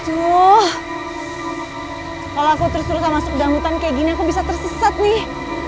tuh kalau aku terus terus masuk dalam hutan kayak gini aku bisa tersesat nih